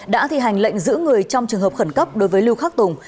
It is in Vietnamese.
đã thi hành lệnh giữ người trong trường hợp khẩn cấp đối với lưu khắc tùng